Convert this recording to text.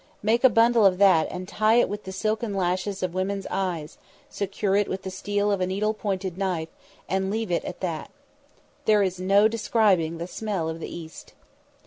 Make a bundle of that, and tie it with the silken lashes of women's eyes; secure it with the steel of a needle pointed knife and leave it at that. There is no describing the smell of the East.